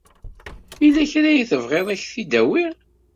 Yella kra i tebɣiḍ ad ak-t-id-awiɣ?